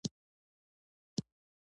د پکتیا زړې کلاوې د تاریخ شاهدي وایي.